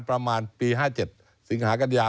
ปี๑๙๕๗สิงหากัฏยา